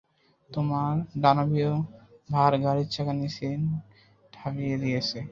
তোমার দানবীয় ভার গাড়ির চাকা নিচে ঢাবিয়ে দিয়েছে।